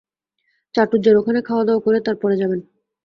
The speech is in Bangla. চাটুজ্জের ওখানে খাওয়া-দাওয়া করে তার পরে যাবেন।